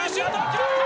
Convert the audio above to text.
決まった！